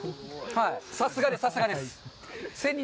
さすがです、さすがです。